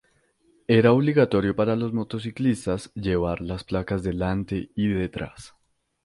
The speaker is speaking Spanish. Era obligatorio para las motocicletas llevar las placas delante y detrás.